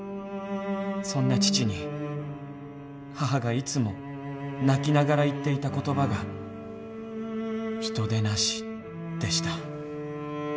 そんな父に母がいつも泣きながら言っていた言葉が人でなしでした。